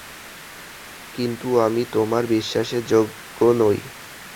কিন্তু আমি তোমার বিশ্বাসের যোগ্য নই।